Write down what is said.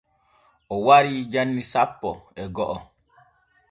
O warii janni sappo e go’o.